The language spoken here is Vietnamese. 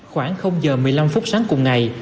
khoảng h một mươi năm sáng cùng ngày